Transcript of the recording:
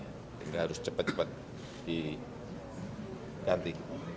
sehingga harus cepat cepat diganti